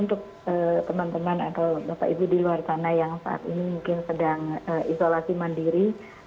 untuk teman teman atau bapak ibu di luar sana yang saat ini mungkin sedang isolasi mandiri